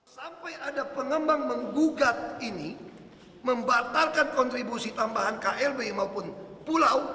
sampai ada pengembang menggugat ini membatalkan kontribusi tambahan klb maupun pulau